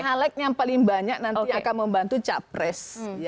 caleg yang paling banyak nanti akan membantu capres